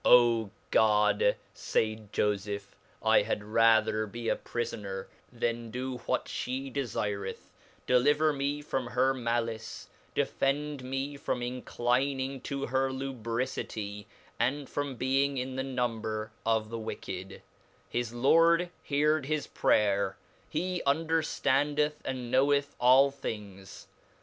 O God .' faid fofeph^ 1 had rather be a prifoner, then do what fhe defireth, deliver me from her malice, defend me from inclining to her lubricity, and from being in the number of the wicked : his lord heard his prayer, he underftandeth and knovvcth all things.